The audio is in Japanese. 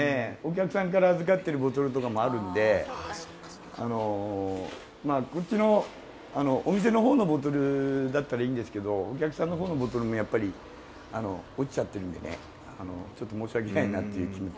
預かってるボトルとかもあるんで、お客さんからこっちのお店の方のボトルだったらいいんですけど、お客さんの方のボトルもやっぱり落ちちゃってるんで、ちょっと申し訳ないなという気持ち。